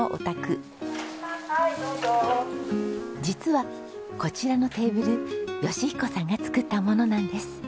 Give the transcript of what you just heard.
実はこちらのテーブル義彦さんが作ったものなんです。